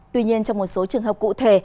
tuy nhiên trong một số trường hợp cụ thể